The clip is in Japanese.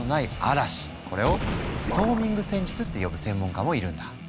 これをストーミング戦術って呼ぶ専門家もいるんだ。